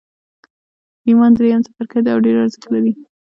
ایمان درېیم څپرکی دی او ډېر ارزښت لري